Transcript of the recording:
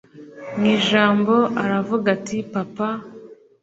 mwijambo aravuga ati papa